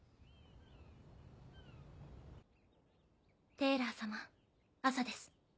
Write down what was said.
テイラー様朝です。